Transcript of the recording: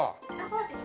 そうです。